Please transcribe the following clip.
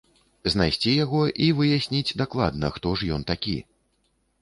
Знайсці яго і выясніць дакладна, хто ж ён такі?!